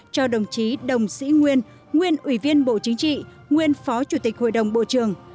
cho đồng chí đồng sĩ nguyên nguyên ủy viên bộ chính trị nguyên phó chủ tịch hội đồng bộ trường